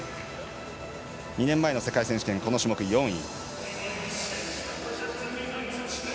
２年前の世界選手権この種目４位。